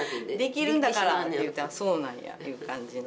できるんだからって言ったらそうなんやっていう感じの。